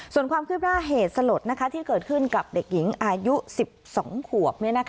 ส่วนความคืบหน้าเหตุสลดที่เกิดขึ้นกับเด็กหญิงอายุ๑๒ขวบ